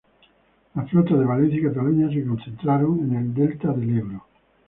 Las flotas de Valencia y Cataluña se concentraron en el Delta del Ebro.